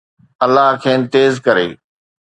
الله کين تيز ڪري